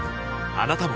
あなたも